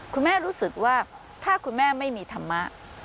คุณแม่รู้สึกว่าถ้าคุณแม่ไม่มีธรรมะ